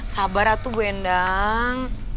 sabar atuh bu endang